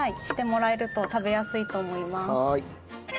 してもらえると食べやすいと思います。